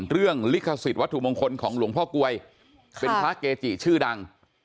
ลิขสิทธิวัตถุมงคลของหลวงพ่อกลวยเป็นพระเกจิชื่อดัง